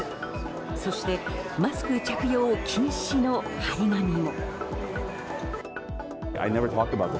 そしてマスク着用禁止の貼り紙も。